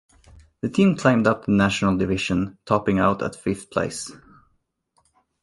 The team climbed up the National Division, topping out at fifth place.